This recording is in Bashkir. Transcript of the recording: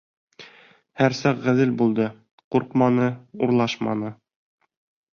Һәр саҡ ғәҙел булды, ҡурҡманы, урлашманы.